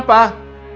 bapak beneran preman